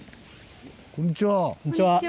こんにちは。